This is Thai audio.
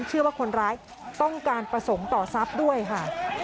เชื่อว่าคนร้ายต้องการประสงค์ต่อทรัพย์ด้วยค่ะ